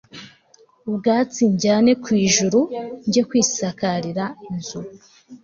ubwatsi njyane ku ijuru njye kwisakarira inzu